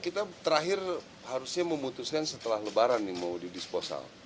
kita terakhir harusnya memutuskan setelah lebaran nih mau didisposal